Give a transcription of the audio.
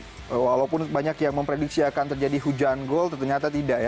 oke walaupun banyak yang memprediksi akan terjadi hujan gol ternyata tidak ya